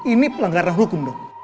ini pelanggaran hukum dok